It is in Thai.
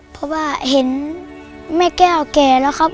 เพราะว่าเห็นแม่แก้วแก่แล้วครับ